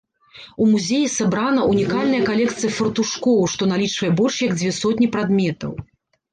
У музеі сабрана ўнікальная калекцыя фартушкоў, што налічвае больш як дзве сотні прадметаў.